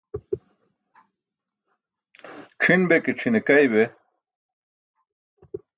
C̣ʰin be ke, c̣ʰine kay be.